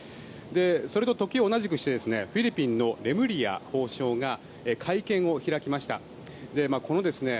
それと時を同じくしてフィリピンのレムリヤ法相が会見を開きました。